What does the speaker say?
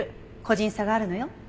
個人差があるのよ。